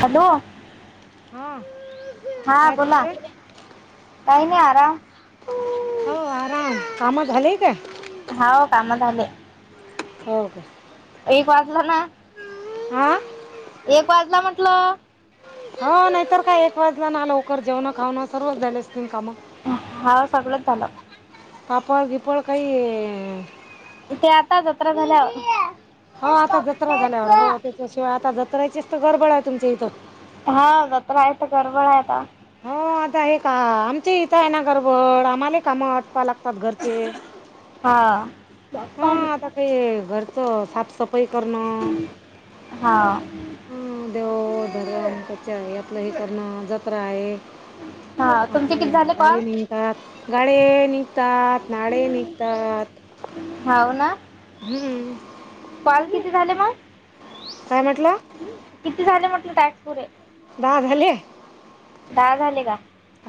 Hello हा हा काय चालू बोला... आहे काय नाही आराम. हो आराम कामा झाली का?? हाव काम झाले. हो का?? एक वाजला ना. आ.... एक वाजला म्हटलं. हो नाही तर काय एक वाजला ना लवकर जेवण खाऊणं सर्वच झाले असतील काम?? हाव सगळच झालं. पापड गीपळ काही ते आता जत्रा झाल्यावर. हो आता जत्रा झाल्यावर हो त्याच्याशिवाय आता जत्राचीच तर गडबड हाय तुमच्या इथं. हा जत्रा हाय तर गरबड हाय आता. हो आता हे का आमची इथं आहे ना गरबड आम्हाला काम आटपा लागतात घरचे. हा. हा आता काही घरचं साफसफाई करणं. हा. ह देवधरम त्याच्या आहे यातलं हे करण जत्रा आहे. हा. तुमचे किती आपले झाले कॉल गाळे निघतात गाळे निघतात नाळे निघतात. हा हाव ना. हम्म. कॉल किती झाले मग? काय म्हटला? किती म्हंटले झाले टॅक्स पुरे? दहा झाले. दहा झाले का?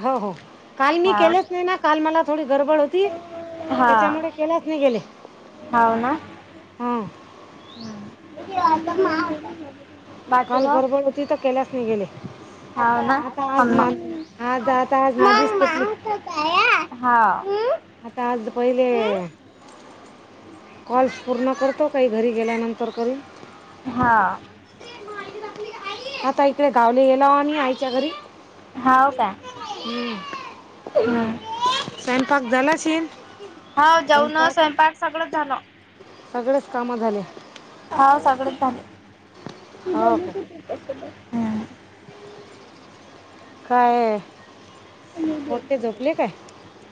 हो हो काल मी हाव केलेच नाही ना, काल मला थोडी गडबड होती हा त्याच्यामुळे केल्यात नाही गेले. हाव ना. हां हम [unintelligible] काल गरबड होती केल्यास नाही गेले. हो ना आता आज ना आज आता आज मंग नादीच तुटली मांग काया [unintelligible] हा. आता आज पहिले कॉल्स पूर्ण करतो काही घरी गेल्यानंतर तरी. हा. आता इकडे गावले येला आणि आयच्या घरी. हाव काय? हम्म. स्वयंपाक झाला अशील? हा जेवन स्वयंपाक सगळंच झालं. सगळेच कामं झाले. हा सगळेच काम हो काय काय? मोठे झोपले काय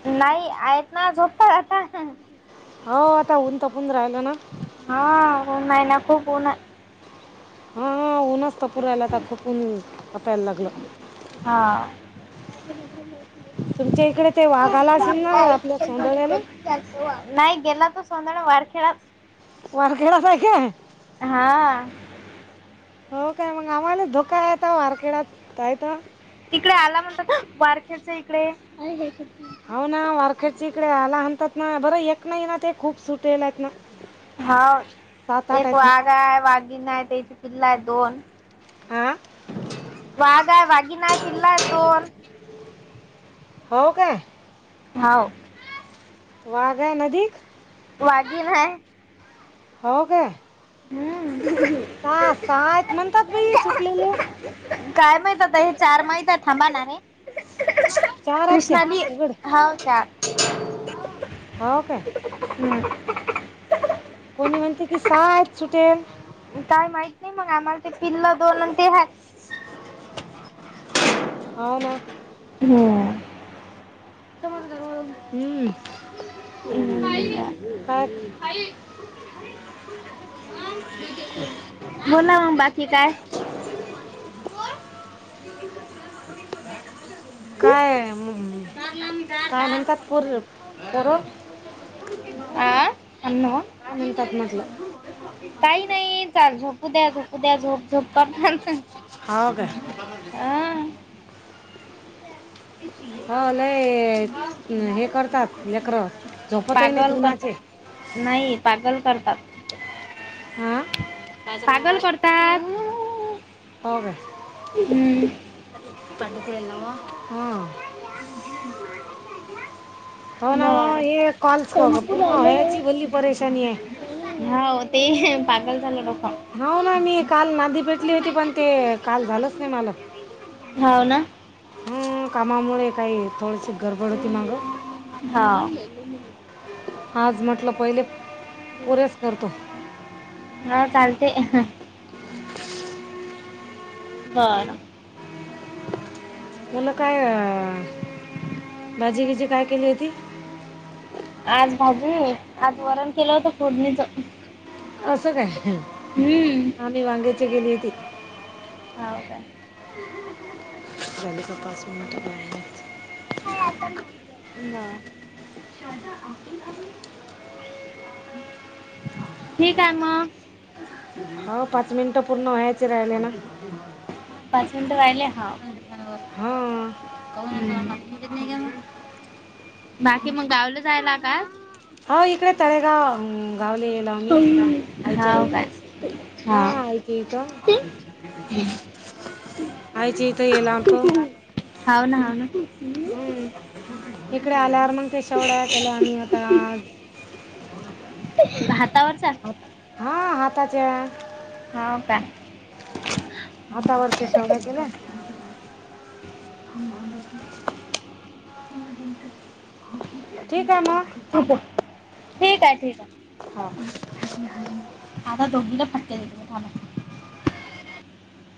नाही आहेत ना झोपतात आता. हो आता ऊन पडून राहिलं ना. हा ऊन नाही आहे ना खूप ऊन आहे. हा ऊनच तर पुरायलाता खूपन आपयला लागलं. हा. तुमच्या इकडे ते त [inaudible] वाघ आला असेल ना आपल्या सौंदळ्याले [unintelligible] नाही गेला तो सोधाण वारखेड. [unintelligible] वार घेळाच आहे का? हा. हो काय? मग आम्हाला धोका आहेता वारखेडातय. तिकडे आला म्हणतात ना वारखेच इकडे हे. हो आहे? ना वारखेडच्या इकडे आला हणतात ना बरं एक नाही ना ते खूप सुटेलत ना. हा सात आठ आहेत ना वाघा आहे वाघीन आहे त्याची पिल्ल आहे दोन. हां. वाघ आहे वाघीन आहे पिल्ला आहे दोन. हो काय? हाव वाघ हाय नदीक, वागीन हाय, हो काय? हम्म सा सा हाईत म्हणतात बई सुटलेले. काय माहित आता हे चार माहित थांबा ना रे. चार आहेत त्या कृष्णानी उघड हाव का हो काय हम्म कोणी म्हणते की सा हाय सुटेल, काय माहित नाही मग आम्हाला ते पिल्ल दोन आणि ते आहेत. ह ना हम [unintelligible] हम्म काय बोला मग बाकी काय? काय, काय म्हणतात पोर पोरं? हा [unintelligible] काय म्हणतात म्हटलं काही नाही चाल झोपू द्या झोपू द्या झोप झोप करतान. हो काय. हो लय हे करतात लेकरं. झोपतही नाहीत पागल करतात, उन्हाचे नाही पागल करतात. हां. पागल करतात हो काय हम्म. [unintelligible] हो ना व्ह बर हे कॉल संपूर पूर्ण आले व्हायची भली परेशानी आहे. हो ते पागल झालं डोकं. हो ना मी काल नादी पेटली होती पण ते काल झालंच नाही मला. हाव ना. हं, कामामुळे काही थोडीशी गडबड होती मागं. हा. आज म्हटलं पहिले पुरेच करतो. हा चालतंय. बर. मुलं काय अ भाजीगिजी काय केली होती? आज भाजी आज वरण केलं होतं फोडणीच. कसं काय, हम्म आम्ही वांग्याची केली होती. हाव काय. झाली का पाच मिनिटं [unintelligible] आई आता मला दे, ना. [unintelligible] ठीक आहे मग. हो पाच मिनिटं पूर्ण व्हायचे राहिले ना. पाच मिनिटं व्हायले हा. हम्म हम्म. [unintelligible] बाकी मग गावाला जायला का? हो इकडे तळेगाव हम्म गावला तुम होऊ काय. [unintelligible] हो ते आईच्या इथ [unintelligible] होऊ ना होऊ ना हम्म इकडे आल्यावर मंग त्या शेवड्या केल्या आम्ही आता आज हातावरचा [unintelligible] हा हाताच्या होऊ का हातावरच्या शेवगा केल्या. [unintelligible] [unintelligible] ठीक आहे म, [unintelligible] ठीक आहे ठीक. [unintelligible] आता दोघींना फटके देते मी थांबा.